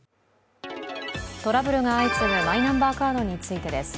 トラブルが相次ぐマイナンバーカードについてです。